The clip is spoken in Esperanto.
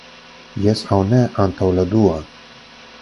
Jes aŭ ne antaŭ la dua.